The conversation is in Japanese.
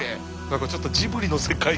何かちょっとジブリの世界。